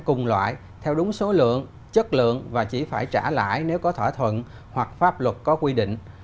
cùng loại theo đúng số lượng chất lượng và chỉ phải trả lại nếu có thỏa thuận hoặc pháp luật có quy định